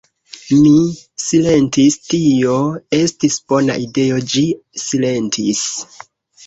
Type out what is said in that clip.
Mi silentis, tio estis bona ideo; ĝi silentis.